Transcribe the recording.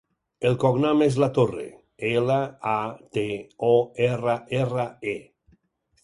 El cognom és Latorre: ela, a, te, o, erra, erra, e.